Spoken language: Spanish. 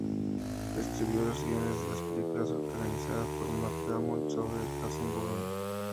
Escribió los guiones de las películas protagonizadas por Matt Damon sobre Jason Bourne.